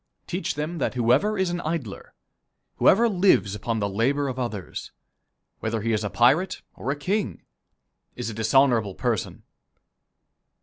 Teach them that whoever is an idler, whoever lives upon the labor of others, whether he is a pirate or a king, is a dishonorable person.